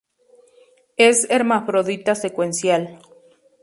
Es hermafrodita secuencial.